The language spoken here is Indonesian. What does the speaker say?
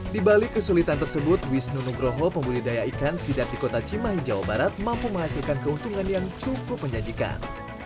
di balik kesulitan tersebut wisnu nugroho pembudidaya ikan sidap di kota cimahi jawa barat mampu menghasilkan keuntungan yang cukup menjanjikan